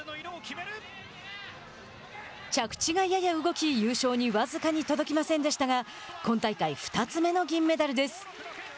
着地がやや動き優勝に僅かに届きませんでしたが今大会２つ目の銀メダルです。